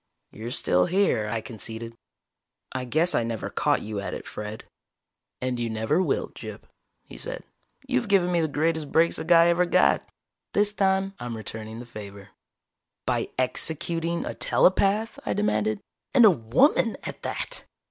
"You're still here," I conceded. "I guess I never caught you at it, Fred." "And you never will, Gyp," he said. "You've given me the greatest breaks a guy ever got. This time I'm returning the favor." "By executing a telepath?" I demanded. "And a woman, at that!"